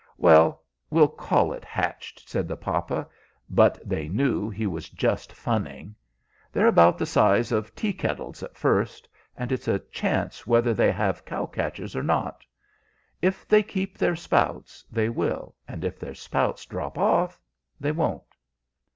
"Well, we'll call it hatched," said the papa; but they knew he was just funning. "They're about the size of tea kettles at first; and it's a chance whether they will have cow catchers or not. If they keep their spouts, they will; and if their spouts drop off, they won't."